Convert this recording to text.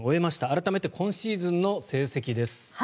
改めて今シーズンの成績です。